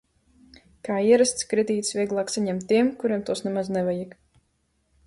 Kā ierasts, kredītus vieglāk saņem tie, kuriem tos nemaz nevajag.